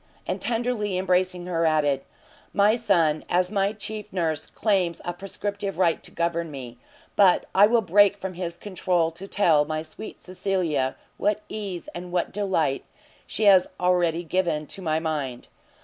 and tenderly embracing her, added, "My son, as my chief nurse, claims a prescriptive right to govern me, but I will break from his control to tell my sweet Cecilia what ease and what delight she has already given to my mind!